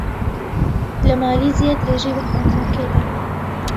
لە مالیزیا درێژەی بە خوێندنەکەی دا.